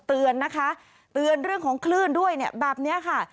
เตือนนะคะเตือนเรื่องของคลื่นด้วยเนี่ยแบบนี้ค่ะ